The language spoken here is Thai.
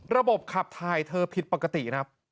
ระบบขับถ่ายเธอผิดปกติครับ